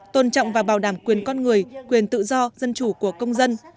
tôn trọng và bảo đảm quyền con người quyền tự do dân chủ của công dân